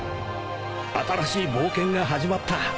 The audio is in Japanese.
［新しい冒険が始まった］